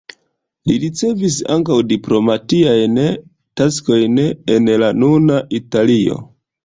Li ricevis ankaŭ diplomatiajn taskojn en la nuna Italio.